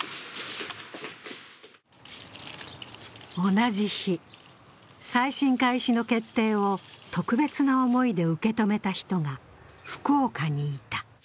同じ日、再審開始の決定を特別な思いで受け止めた人が福岡にいた。